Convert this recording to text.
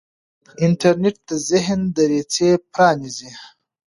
انټرنیټ د ذهن دریڅې پرانیزي.